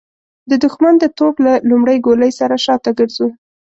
د د ښمن د توپ له لومړۍ ګولۍ سره شاته ګرځو.